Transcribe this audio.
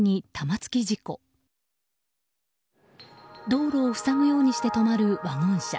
道路を塞ぐようにして止まるワゴン車。